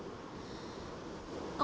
kenapa kamu gak cerita dari awal sih mar